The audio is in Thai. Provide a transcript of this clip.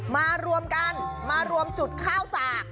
มารวมกันมารวมจุดข้าวสาก